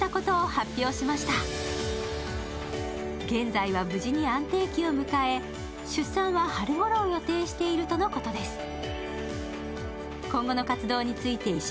現在は無事に安定期を迎え、出産は春頃を予定しているということです。